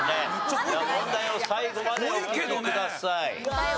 問題を最後までお聞きください。